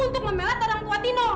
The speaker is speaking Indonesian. untuk memelat orang tua tino